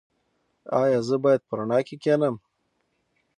ایا زه باید په رڼا کې کینم؟